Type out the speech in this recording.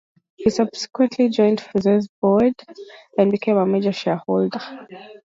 He subsequently joined Fuze's board and became a major shareholder.